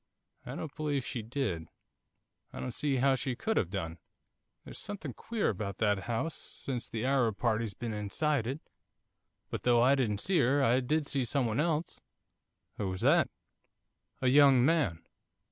'I don't believe she did, I don't see how she could have done, there's something queer about that house, since that Arab party's been inside it. But though I didn't see her, I did see someone else.' 'Who was that?' 'A young man.